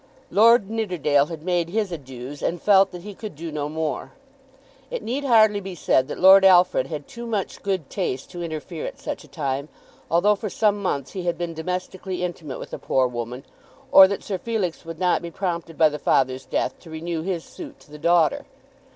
Lord Nidderdale had made his adieux, and felt that he could do no more. It need hardly be said that Lord Alfred had too much good taste to interfere at such a time, although for some months he had been domestically intimate with the poor woman, or that Sir Felix would not be prompted by the father's death to renew his suit to the daughter.